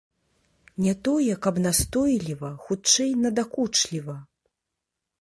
Не тое, каб настойліва, хутчэй надакучліва.